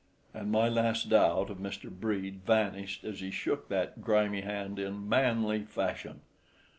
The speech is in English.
And my last doubt of Mr. Brede vanished as he shook that grimy hand in manly fashion.